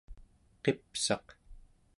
qipsaq